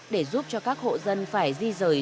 để giúp cho các hộ dân phải di rời